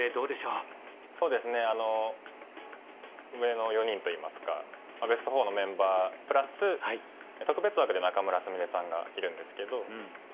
そうですね上の４人といいますかベスト４のメンバープラス特別枠で仲邑菫さんがいるんですけど。